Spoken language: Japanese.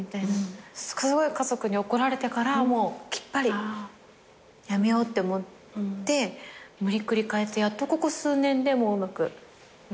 家族に怒られてからはもうきっぱりやめようって思って無理くり変えてやっとここ数年でうまくカチカチって。